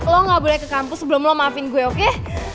lu ga boleh ke kampus sebelum lu maafin gue oke